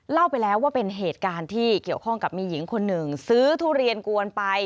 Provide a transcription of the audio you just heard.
เล่าไปแล้วว่าเป็นเหตุการณ์ที่เกี่ยวข้องกับมีหญิงคนหนึ่งซื้อทุเรียนกวนไป